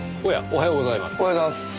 おはようございます。